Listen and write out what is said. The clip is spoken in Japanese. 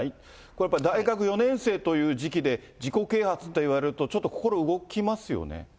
これ、大学４年生という時期で、自己啓発と言われると、ちょっと心動きますよね。